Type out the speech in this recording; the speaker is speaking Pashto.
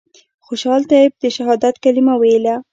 خوشحال طیب د شهادت کلمه ویله.